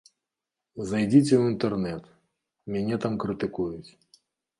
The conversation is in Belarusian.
Зайдзіце ў інтэрнэт, мяне там крытыкуюць.